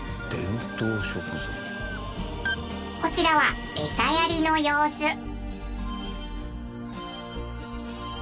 こちらはエサやりの様子。